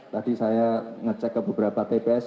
tadi saya ngecek ke beberapa tps